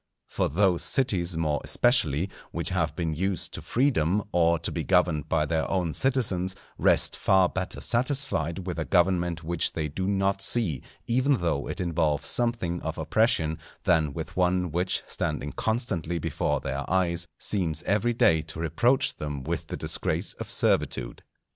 For those cities, more especially, which have been used to freedom or to be governed by their own citizens, rest far better satisfied with a government which they do not see, even though it involve something of oppression, than with one which standing constantly before their eyes, seems every day to reproach them with the disgrace of servitude.